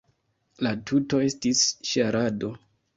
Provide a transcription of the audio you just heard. La tuto estis ŝarado.